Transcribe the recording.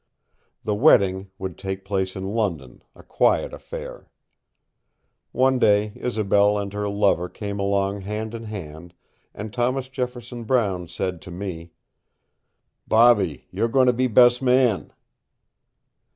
The wedding would take place in London, a quiet affair. One day Isobel and her lover came along hand in hand, and Thomas Jefferson Brown said to me: "Bobby, you're going to be best man."